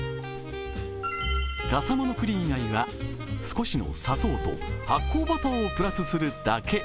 笠間のくり以外は少しの砂糖と発酵バターをプラスするだけ。